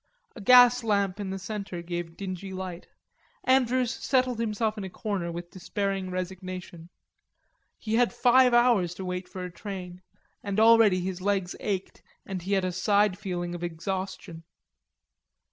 A gas lamp in the center gave dingy light. Andrews settled himself in a corner with despairing resignation. He had five hours to wait for a train, and already his legs ached and he had a side feeling of exhaustion.